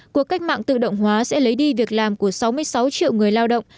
cuộc cách mạng tự động hóa sẽ lấy đi việc làm của sáu mươi sáu triệu người lao động